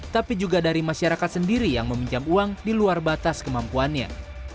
dan juga dari masyarakat sendiri yang meminjam uang di luar batas kemampuannya